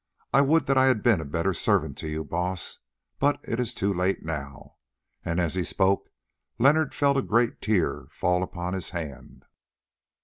I would that I had been a better servant to you, Baas, but it is too late now." And as he spoke Leonard felt a great tear fall upon his hand.